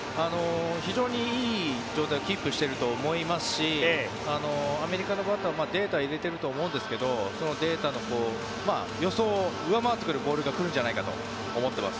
非常にいい状態をキープしていると思いますしアメリカのバッターデータは入れていると思いますがそのデータの予想を上回ってくるボールが来るんじゃないかと思ってます。